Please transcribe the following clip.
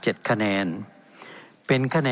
เป็นของสมาชิกสภาพภูมิแทนรัฐรนดร